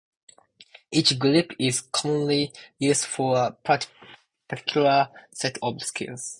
Each grip is commonly used for a particular set of skills.